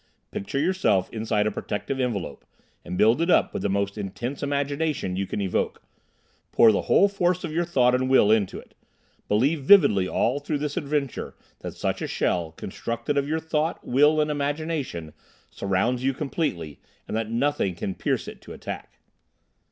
Picture yourself inside a protective envelope, and build it up with the most intense imagination you can evoke. Pour the whole force of your thought and will into it. Believe vividly all through this adventure that such a shell, constructed of your thought, will and imagination, surrounds you completely, and that nothing can pierce it to attack."